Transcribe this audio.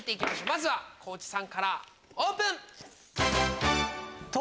まずは地さんからオープン。